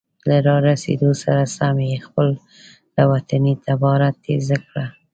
له را رسیدو سره سم یې خپله وطني تباره تیزه کړه.